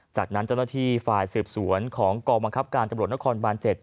จากนั้นเจ้าหน้าที่ฝ่ายสืบสวนของกองบังคับการตำรวจนครบาน๗